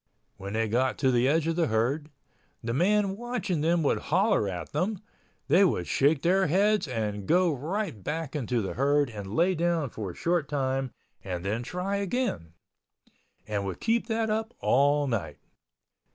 When they got to the edge of the herd, the man watching them would holler at them—they would shake their heads and go right back into the herd and lay down for a short time and then try again, and would keep that up all night.